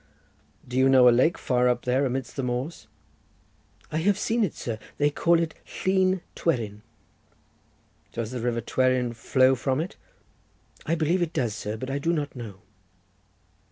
"Do you know a lake far up there amidst the moors?" "I have seen it, sir; they call it Llyn Twerin." "Does the river Twerin flow from it?" "I believe it does, sir; but I do not know."